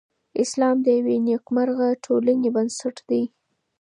اسلام د یوې نېکمرغه ټولنې بنسټ دی.